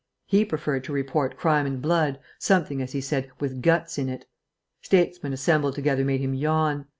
He preferred to report crime and blood, something, as he said, with guts in it. Statesmen assembled together made him yawn.